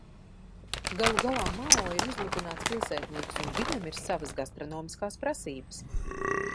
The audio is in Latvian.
Galu galā Mao ir izlutināts pilsētnieks un viņam ir savas gastronomiskās prasības.